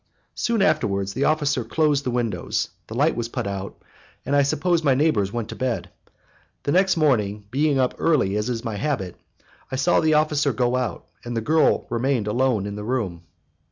Soon afterwards the officer closed the windows, the light was put out, and I suppose my neighbors went to bed. The next morning, being up early as is my habit, I saw the officer go out, and the girl remained alone in the room.